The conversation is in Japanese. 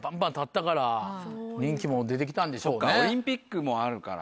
そうかオリンピックもあるから。